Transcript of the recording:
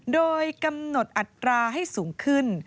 โดยกำหนดอัตราให้สูงขึ้น